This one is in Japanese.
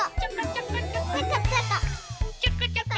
ちょこちょこ。